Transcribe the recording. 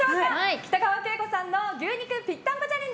北川景子さんの牛肉ぴったんこチャレンジ